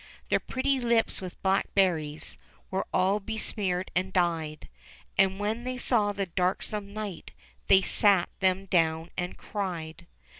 Their pretty Hps with blackberries Were all besmeared and dyed ; And when they saw the darksome night. They sat them down and cried.